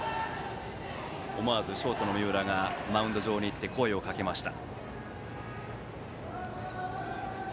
思わずショートの三浦がマウンド上に行って声をかけました。